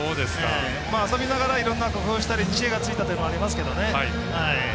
遊びながらいろんな工夫をしたり知恵がついたというのはありますけどね。